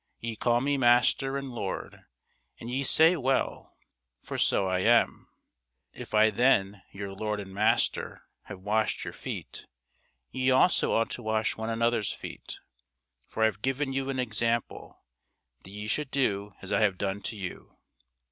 Ye call me Master and Lord: and ye say well; for so I am. If I then, your Lord and Master, have washed your feet; ye also ought to wash one another's feet. For I have given you an example, that ye should do as I have done to you.